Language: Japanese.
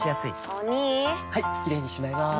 お兄はいキレイにしまいます！